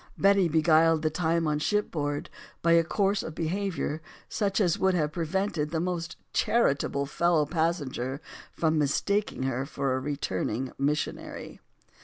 Betty beguiled the time on shipboard by a course of be havior such as would have prevented the most char itable fellow passenger from mistaking her for a re turning missionary.